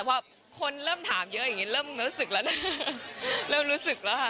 แต่พอคนเริ่มถามเยอะอย่างนี้เริ่มรู้สึกแล้วค่ะ